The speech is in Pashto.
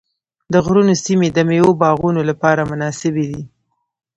د غرونو سیمې د مېوو باغونو لپاره مناسبې دي.